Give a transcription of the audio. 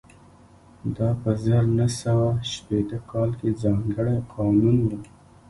دا په زر نه سوه شپېته کال کې ځانګړی قانون و